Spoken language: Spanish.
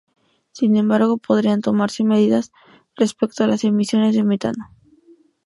Sin embargo, podrían tomarse medidas respecto a las emisiones de metano.